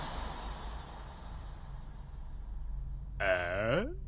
ああ？